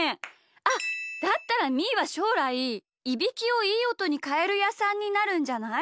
あっだったらみーはしょうらいいびきをいいおとにかえるやさんになるんじゃない？